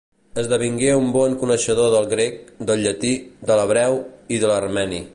Esdevingué un bon coneixedor del grec, del llatí, de l'hebreu i de l'armeni.